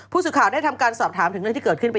ผู้สื่อข่าวได้ทำการสอบถามถึงเรื่องที่เกิดขึ้น